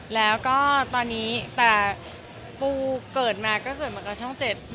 แล้วก็ตอนนี้แต่ปูเกิดมาก็เกิดมากับช่อง๗